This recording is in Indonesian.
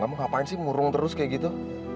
kamu ngapain sih ngurung terus kayak gitu